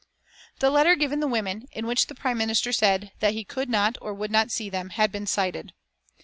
The letter given the women, in which the Prime Minister said that he could not or would not see them, had been cited.